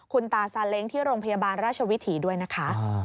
คุณตาซาเล้งที่โรงพยาบาลราชวิถีด้วยนะคะ